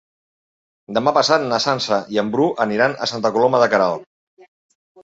Demà passat na Sança i en Bru aniran a Santa Coloma de Queralt.